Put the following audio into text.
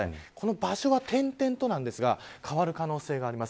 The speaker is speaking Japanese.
場所は点々となんですが変わる可能性があります。